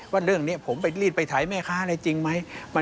ว่าเรื่องนี้ผมไปรีดไปถ่ายแม่ค้าอะไรจริงไหม